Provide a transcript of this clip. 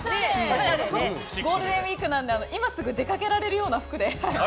ゴールデンウィークなんで今すぐ出かけられるような服で。